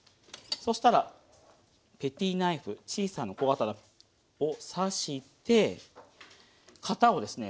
そしたらペティナイフ小さな小刀を刺して型をですね